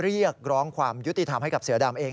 เรียกร้องความยุติธรรมให้กับเสือดำเอง